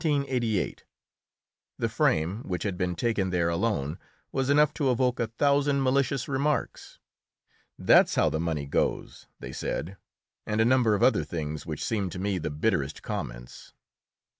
The frame, which had been taken there alone, was enough to evoke a thousand malicious remarks. "That's how the money goes," they said, and a number of other things which seemed to me the bitterest comments.